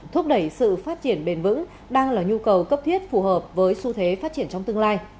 thúc đẩy sự phát triển bền vững đang là nhu cầu cấp thiết phù hợp với xu thế phát triển trong tương lai